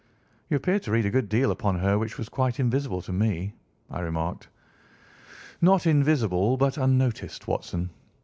"You appeared to read a good deal upon her which was quite invisible to me," I remarked. "Not invisible but unnoticed, Watson.